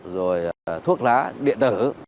rồi thuốc lá điện tử